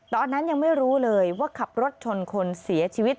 ตอนนั้นยังไม่รู้เลยว่าขับรถชนคนเสียชีวิต